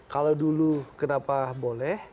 kalau dulu kenapa boleh